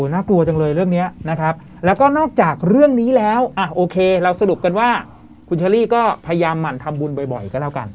น่ากลัวจังเลยเรื่องนี้นะครับแล้วก็นอกจากเรื่องนี้แล้วโอเคเราสรุปกันว่าคุณเชอรี่ก็พยายามหมั่นทำบุญบ่อยก็แล้วกัน